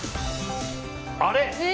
あれ？